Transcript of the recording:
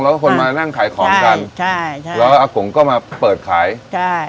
แล้วก็คนมานั่งขายของกันใช่ใช่แล้วอากงก็มาเปิดขายใช่